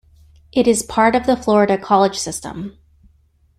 It is part of the Florida College System.